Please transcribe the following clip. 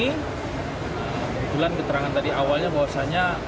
kebetulan keterangan tadi awalnya bahwasannya